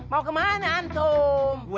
mau kemana antum